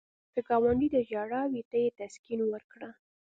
که ګاونډي ته ژړا وي، ته یې تسکین ورکړه